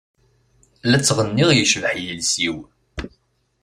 La ttɣenniɣ yecbeḥ yiles-iw.